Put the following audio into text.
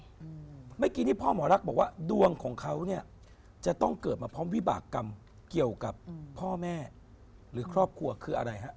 เมื่อกี้นี่พ่อหมอรักบอกว่าดวงของเขาเนี่ยจะต้องเกิดมาพร้อมวิบากรรมเกี่ยวกับพ่อแม่หรือครอบครัวคืออะไรฮะ